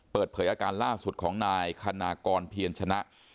เปิดเผยอาการล่าสุดของนายคณากรเพียรชนะ